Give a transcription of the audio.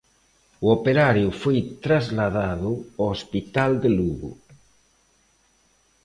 O operario foi trasladado ao Hospital de Lugo.